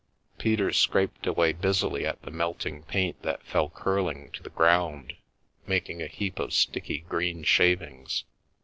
Peter scraped away busily at the melt ing paint that fell curling to the ground, making a heap The Call to Arms of sticky green shavings.